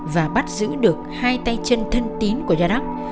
và bắt giữ được hai tay chân thân tín của gia đắc